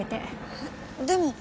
えっでも。